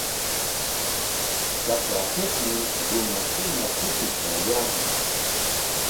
Trakrapikmi runakuna kutiykaayaamun.